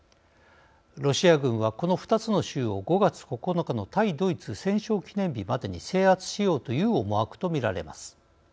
ロシア軍はこの２つの州を５月９日の対ドイツ戦勝記念日までに制圧しようという思惑と見られます。